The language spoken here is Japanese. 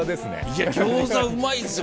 いやギョーザうまいんですよ